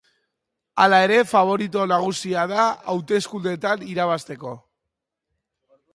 Hala ere, faborito nagusia da hauteskundeetan irabazteko.